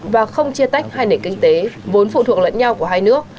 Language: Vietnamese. và không chia tách hai nền kinh tế vốn phụ thuộc lẫn nhau của hai nước